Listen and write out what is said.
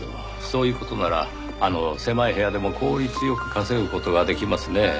そういう事ならあの狭い部屋でも効率良く稼ぐ事ができますねぇ。